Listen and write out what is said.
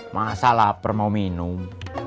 masa lapar mau minum